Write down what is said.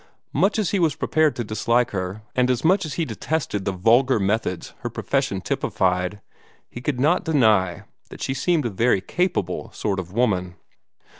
Much as he was prepared to dislike her, and much as he detested the vulgar methods her profession typified, he could not deny that she seemed a very capable sort of woman.